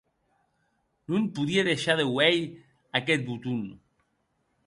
Non podie deishar de uelh aqueth boton.